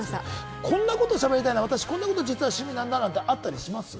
こんなことしゃべりたい、こんなこと趣味なんだってあったりしま